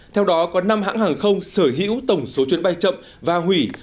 theo đó có năm hãng hàng không sở hữu tổng số chuyến bay chậm và hủy